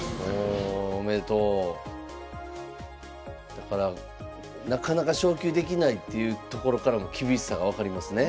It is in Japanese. だからなかなか昇級できないっていうところからも厳しさが分かりますね。